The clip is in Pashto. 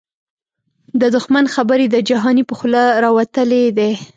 د دښمن خبري د جهانی په خوله راوتلی دې